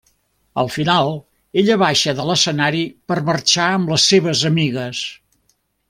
Al final, ella baixa de l'escenari per marxar amb les seves amigues.